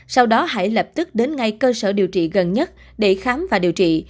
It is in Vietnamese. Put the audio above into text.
sau đó hãy lập tức đến ngay cơ sở điều trị gần nhất để khám và điều trị